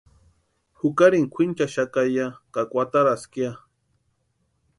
Jukarini kwʼinchaxaka ya ka kwataraska ya.